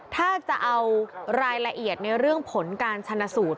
ถ้าจะเอารายละเอียดในเรื่องผลการชนะสูตร